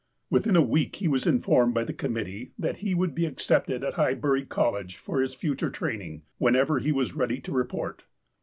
Within a week he was informed by the committee that he would be accepted at Highbury College for his future training, whenever he was ready to report.